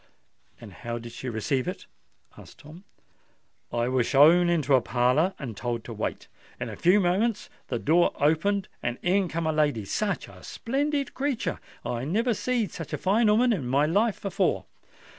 "And how did she receive it?" asked Tom. "I was showed into a parlour and told to wait. In a few minutes the door opened and in come a lady—such a splendid creatur! I never seed such a fine 'ooman in my life before.